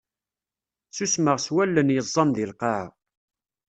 Susmeɣ s wallen yeẓẓan di lqaɛa.